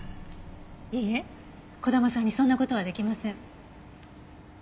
いいえ児玉さんにそんな事はできません。